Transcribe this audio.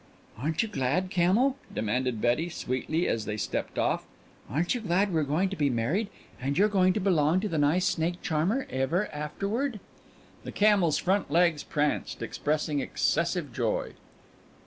"Aren't you glad, camel?" demanded Betty sweetly as they stepped off. "Aren't you glad we're going to be married and you're going to belong to the nice snake charmer ever afterward?" The camel's front legs pranced, expressing excessive joy.